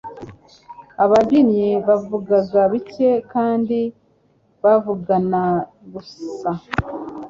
ababyinnyi bavugaga bike kandi bavugana gusa